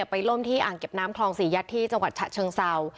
ล่มที่อ่างเก็บน้ำคลองศรียัดที่จังหวัดฉะเชิงเศร้า